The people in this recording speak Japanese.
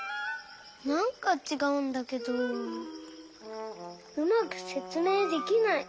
なんかちがうんだけどうまくせつめいできない。